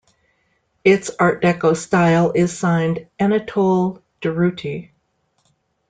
Its art deco style is signed Anatole Durruty.